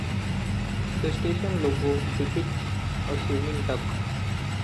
The station logo depicts a swimming duck.